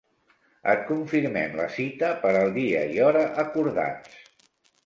Et confirmem la cita per al dia i hora acordats.